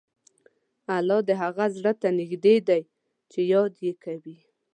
الله د هغه زړه ته نږدې دی چې یاد یې کوي.